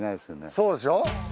そうでしょ？